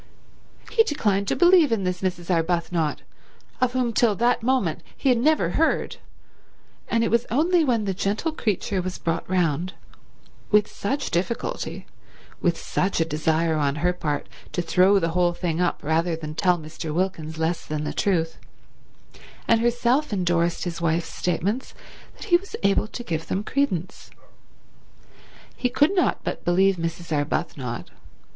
He declined to believe in this Mrs. Arbuthnot, of whom till that moment he had never heard; and it was only when the gentle creature was brought round—with such difficulty, with such a desire on her part to throw the whole thing up rather than tell Mr. Wilkins less than the truth—and herself endorsed his wife's statements that he was able to give them credence. He could not but believe Mrs. Arbuthnot.